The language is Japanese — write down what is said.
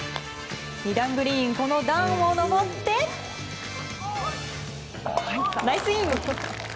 ２段グリーンの段を上って、ナイスイン！